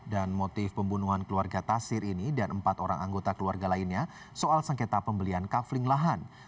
dan motif pembunuhan keluarga tasir ini dan empat orang anggota keluarga lainnya soal sengketa pembelian kafling lahan